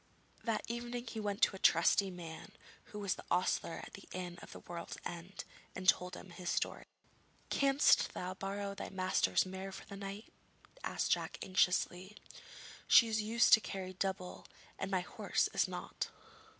That evening he went to a trusty man, who was ostler at the inn of the World's End, and told him his story. 'Canst thou borrow thy master's mare for the night?' asked Jack anxiously. 'She is used to carry double, and my horse is not.'